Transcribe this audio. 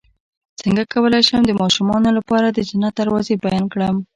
څنګه کولی شم د ماشومانو لپاره د جنت دروازې بیان کړم